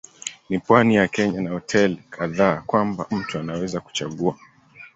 Ni pwani ya Kenya na hoteli kadhaa kwamba mtu anaweza kuchagua.